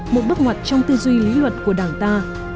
một bước ngoặt trong tư duy lý luật của đảng ta